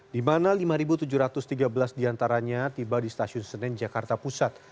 dimana lima tujuh ratus tiga belas diantaranya tiba di stasiun senin jakarta pusat